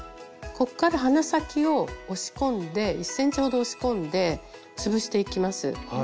こっから鼻先を押し込んで１ｃｍほど押し込んで潰していきます。